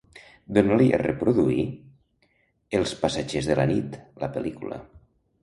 Dona-li a reproduir "Els passatgers de la nit", la pel·lícula.